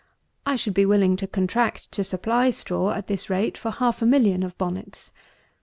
I should be willing to contract to supply straw, at this rate, for half a million of bonnets.